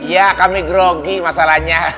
ya kami grogi masalahnya